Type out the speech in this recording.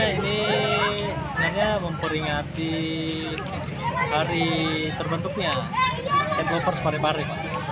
ini sebenarnya memperingati hari terbentuknya cat lovers parepare